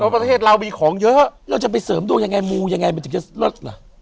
ประเทศเรามีของเยอะแล้วเราจะไปเสริมดวงอย่างงะมูวมันถึงจะ